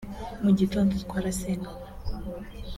mu gitondo twarasengaga